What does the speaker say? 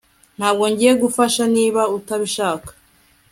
Ntabwo ngiye kugufasha niba utabishaka